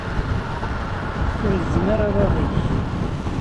Ur gezzem ara aḍad-ik.